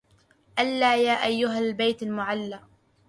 ألا يا أيها البيت المعلى